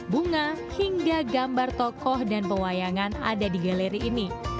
bunga hingga gambar tokoh dan pewayangan ada di galeri ini